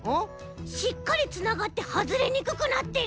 しっかりつながってはずれにくくなってる。